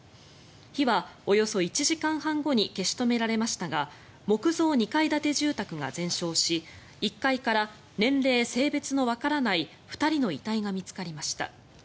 火はおよそ１時間半後に消し止められましたが木造２階建て住宅が全焼し１階から年齢・性別のわからない２人の遺体が見つかりました。